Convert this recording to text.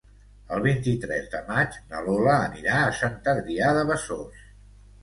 El vint-i-tres de maig na Lola anirà a Sant Adrià de Besòs.